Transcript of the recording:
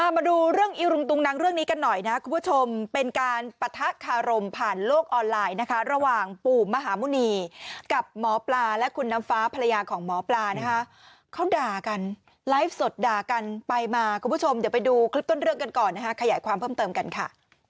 มาดูเรื่องอีรุงตุงนังเรื่องนี้กันหน่อยนะคุณผู้ชมเป็นการปะทะคารมผ่านโลกออนไลน์นะคะระหว่างปู่มหาหมุณีกับหมอปลาและคุณน้ำฟ้าภรรยาของหมอปลานะคะเขาด่ากันไลฟ์สดด่ากันไปมาคุณผู้ชมเดี๋ยวไปดูคลิปต้นเรื่องกันก่อนนะคะขยายความเพิ่มเติมกันค่ะ